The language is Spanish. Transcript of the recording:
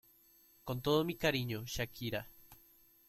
Con todo mi cariño, Shakira".